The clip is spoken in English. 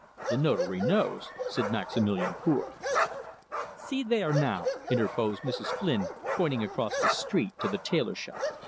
The Notary knows," said Maximilian Cour. "See there, now," interposed Mrs. Flynn, pointing across the street to the tailor shop.